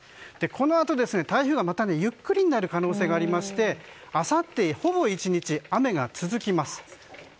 このあと台風がまたゆっくりになる可能性がありましてあさってほぼ１日雨が続きます。